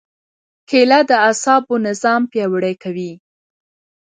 کېله د اعصابو نظام پیاوړی کوي.